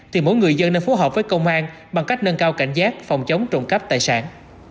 thì mỗi người dân nên phối hợp với công an bằng cách nâng cao cảnh giác phòng chống trộm cắp tài sản